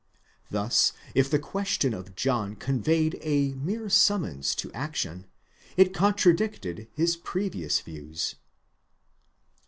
'Thus if the question of John conveyed a mere summons to action, it contradicted his previous views.